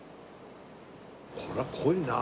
これは濃いなあ。